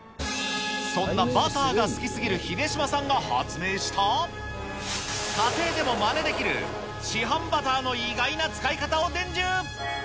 そんなバターが好きすぎる秀島さんが発明した、家庭でもまねできる市販バターの意外な使い方を伝授。